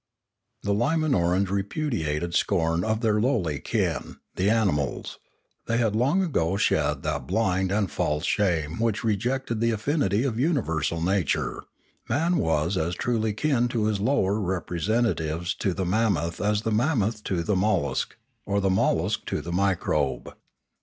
The Limanorans repudiated scorn of their lowly kin, the animals; they had long ago shed that blind and false shame which rejected the affinity of universal nature; man was as truly kin in his lower representa tives to the mammoth as the mammoth to the mollusc, or the mollusc to the microbe.